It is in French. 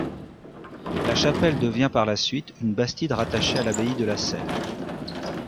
La chapelle devient par la suite une bastide rattachée à l'abbaye de La Celle.